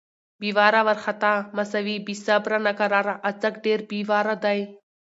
بې واره، وارختا= بې صبره، ناقراره. اڅک ډېر بې واره دی.